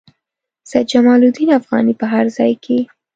سید جمال الدین افغاني په هر ځای کې.